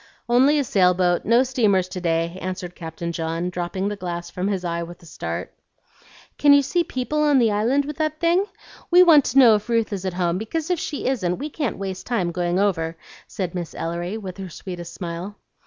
"Only a sail boat; no steamers to day," answered Captain John, dropping the glass from his eye with a start. "Can you see people on the Island with that thing? We want to know if Ruth is at home, because if she isn't we can't waste time going over," said Miss Ellery, with her sweetest smile.